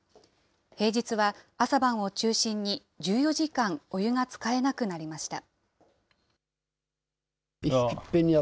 平日は朝晩を中心に、１４時間お湯が使えなくなりました。